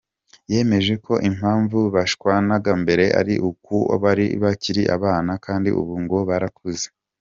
Yemeje ko impamvu bashwanaga mbere ari uko bari bakiri abana, kandi ubu ngo barakuze.